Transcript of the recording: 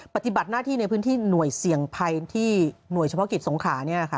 ปฏิบัติหน้าที่ในพื้นที่หน่วยเสี่ยงภัยที่หน่วยเฉพาะกิจสงขา